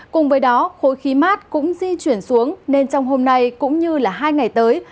cùng với đó khối khí mát cũng di chuyển xuống nên trong hôm nay cũng như là hai ngày tới